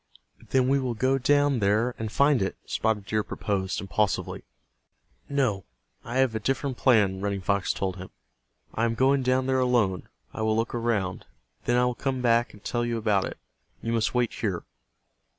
"Then we will go down there and find it," Spotted Deer proposed, impulsively. "No, I have a different plan," Running Fox told him. "I am going down there alone. I will look around. Then I will come back and tell you about it. You must wait here."